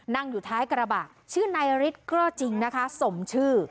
นั่งอยู่ท้ายกระบะชื่อนายฤทธิ์ก็จริงนะคะสมชื่อ